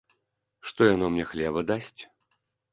Што яно мне, хлеба дасць?!